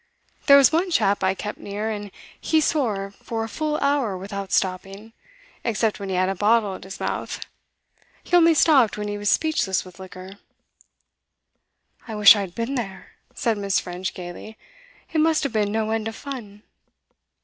There was one chap I kept near, and he swore for a full hour without stopping, except when he had a bottle at his mouth; he only stopped when he was speechless with liquor.' 'I wish I'd been there,' said Miss. French gaily. 'It must have been no end of fun.